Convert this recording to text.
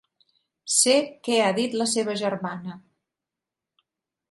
Sé què ha dit la seva germana.